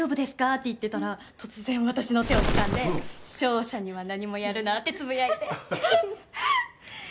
って言ってたら突然私の手をつかんで「勝者には何もやるな」ってつぶやいて。